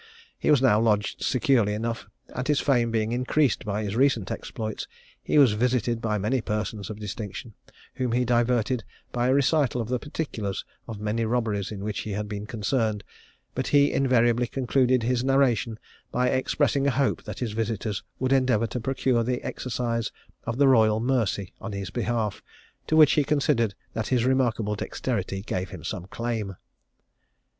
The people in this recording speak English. He was now lodged securely enough; and his fame being increased by his recent exploits, he was visited by many persons of distinction, whom he diverted by a recital of the particulars of many robberies in which he had been concerned, but he invariably concluded his narration by expressing a hope that his visitors would endeavour to procure the exercise of the royal mercy in his behalf, to which he considered that his remarkable dexterity gave him some claim.